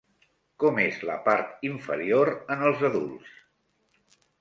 Com és la part inferior en els adults?